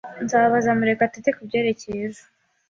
Nzabaza Murekatete kubyerekeye ejo.